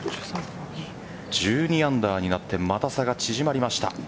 １２アンダーになってまた差が縮まりました。